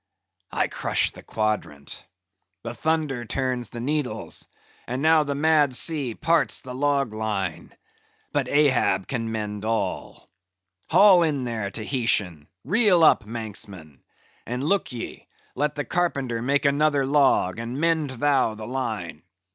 "I crush the quadrant, the thunder turns the needles, and now the mad sea parts the log line. But Ahab can mend all. Haul in here, Tahitian; reel up, Manxman. And look ye, let the carpenter make another log, and mend thou the line.